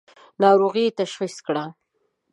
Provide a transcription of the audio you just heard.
ناروغۍ یې تشخیص کړه.